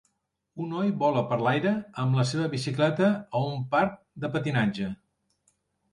Un noi vola per l'aire amb la seva bicicleta a un parc de patinatge.